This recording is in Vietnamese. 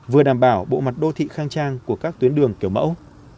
vừa đảm bảo bộ mặt đô thị khang trang của các tuyến đường kiểu mẫu